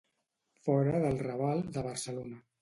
Fora del Raval de Barcelona.